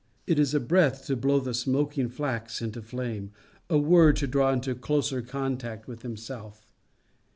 It is a breath to blow the smoking flax into a flame a word to draw into closer contact with himself.